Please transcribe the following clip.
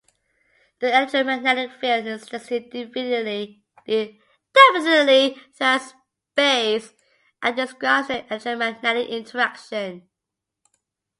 The electromagnetic field extends indefinitely throughout space and describes the electromagnetic interaction.